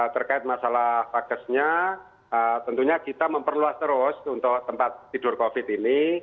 terkait masalah vakesnya tentunya kita memperluas terus untuk tempat tidur covid ini